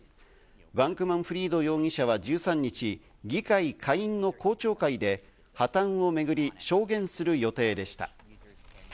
バンクマン・フリード容疑者は１３日、議会下院の公聴会で破綻をめぐり証言する予定でした。